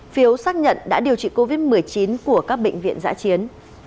phiếu xác nhận đã điều trị covid một mươi chín của các bệnh viện giã chiến